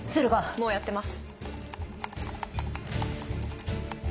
もうやってます。